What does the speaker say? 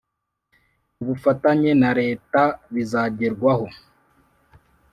Kubufatanye na leta bizagerwaho